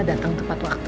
kita ditang tepat waktu